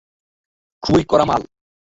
খুবই কড়া মাল।